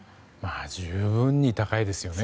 十分に高いですよね